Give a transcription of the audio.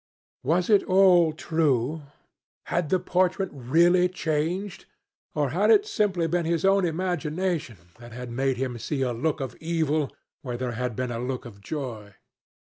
Was it all true? Had the portrait really changed? Or had it been simply his own imagination that had made him see a look of evil where there had been a look of joy?